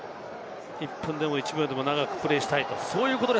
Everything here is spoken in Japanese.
１分でも１秒でも長くプレーしたいと。